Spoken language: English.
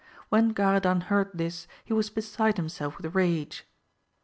When Garadan heard this he was beside himself with rage.